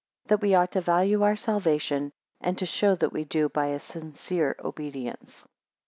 That we ought to value our salvation; and to show that we do by a sincere obedience.